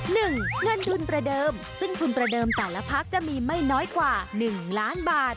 เงินทุนประเดิมซึ่งทุนประเดิมแต่ละพักจะมีไม่น้อยกว่าหนึ่งล้านบาท